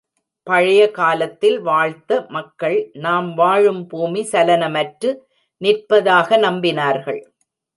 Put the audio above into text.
பழைய காலத்தில் வாழ்த்த மக்கள், நாம் வாழும் பூமி சலனமற்று நிற்பதாக நம்பினார்கள்.